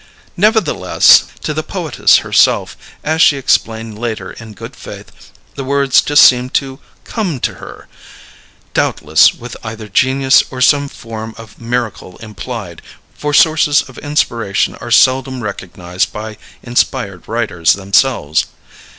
Nevertheless, to the poetess herself, as she explained later in good faith, the words just seemed to come to her; doubtless with either genius or some form of miracle implied; for sources of inspiration are seldom recognized by inspired writers themselves.